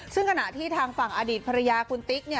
ซึ่งขณะที่ทางฝั่งอดีตภรรยาคุณติ๊ก